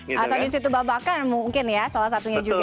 atau di situ babakan mungkin ya salah satunya juga ya